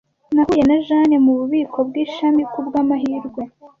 Nahuye na Jane mububiko bwishami kubwamahirwe.